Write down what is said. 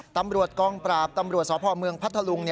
ตำรวจกองปราบตำรวจสพเมืองพัทธลุง